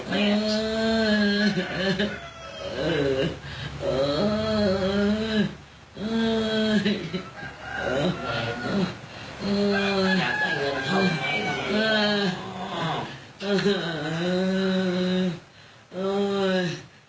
ไปแบบนี้